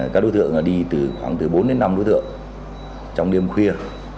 các đối tượng đi từ khoảng từ bốn đến năm đối tượng trong đêm khuya